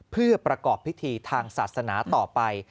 เพื่อประกอบพิธีทางศาสนาต่อไป